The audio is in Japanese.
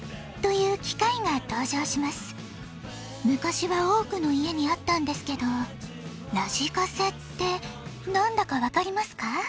むかしは多くの家にあったんですけどラジカセって何だか分かりますか？